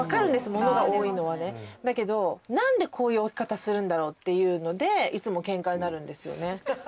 モノが多いのはねだけど何でこういう置き方するんだろうっていうのでいつもケンカになるんですよね